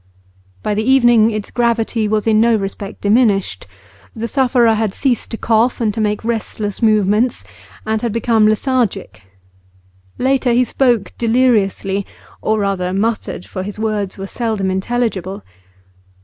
By the evening its gravity was in no respect diminished. The sufferer had ceased to cough and to make restless movements, and had become lethargic; later, he spoke deliriously, or rather muttered, for his words were seldom intelligible.